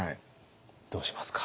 どうしますか？